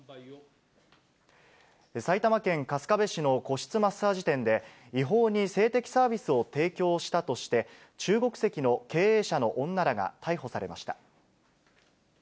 埼玉県春日部市の個室マッサージ店で、違法に性的サービスを提供したとして、中国籍の経営者の女らが逮捕されました。